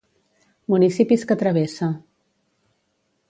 Municipis que travessa: